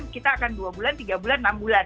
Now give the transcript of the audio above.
kita akan dua bulan tiga bulan enam bulan